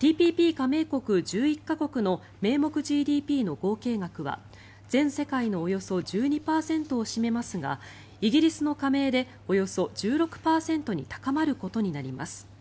加盟国１１か国の名目ＧＤＰの合計額は全世界のおよそ１２％を占めますがイギリスの加盟でおよそ１６％に高まることになります。